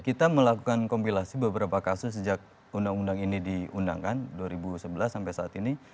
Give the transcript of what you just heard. kita melakukan kompilasi beberapa kasus sejak undang undang ini diundangkan dua ribu sebelas sampai saat ini